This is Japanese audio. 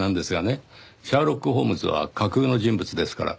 シャーロック・ホームズは架空の人物ですから。